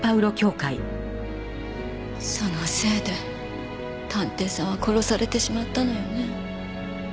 そのせいで探偵さんは殺されてしまったのよね。